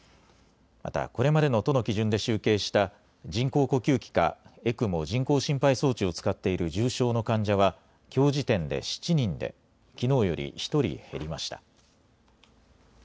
またこれまでの都の基準で集計した、人工呼吸器かＥＣＭＯ・人工心肺装置を使っている重症の患者は、きょう時点で７人で、きのうより１人減りました。